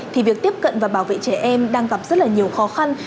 thì việc tiếp cận và bảo vệ trẻ em đang gặp rất là nhiều khó khăn